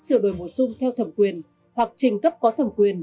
sửa đổi bổ sung theo thẩm quyền hoặc trình cấp có thẩm quyền